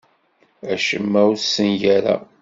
Acemma ur t-ssengareɣ.